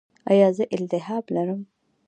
ایا زه التهاب لرم؟